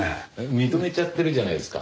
認めちゃってるじゃないですか。